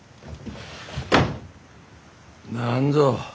何ぞ？